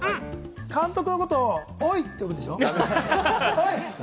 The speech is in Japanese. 監督のことを、おい！って呼ぶんでしょ。